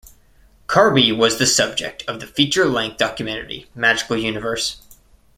Carbee was the subject of the feature-length documentary Magical Universe.